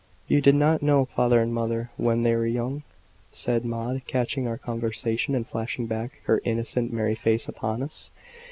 "You did not know father and mother when they were young?" said Maud, catching our conversation and flashing back her innocent, merry face upon us.